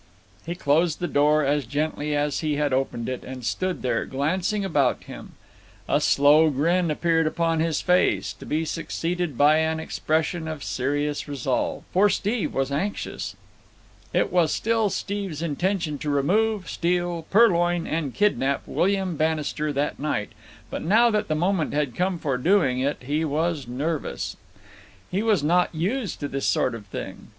He closed the door as gently as he had opened it, and stood there glancing about him. A slow grin appeared upon his face, to be succeeded by an expression of serious resolve. For Steve was anxious. It was still Steve's intention to remove, steal, purloin, and kidnap William Bannister that night, but now that the moment had come for doing it he was nervous. He was not used to this sort of thing.